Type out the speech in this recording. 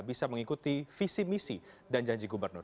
bisa mengikuti visi misi dan janji gubernur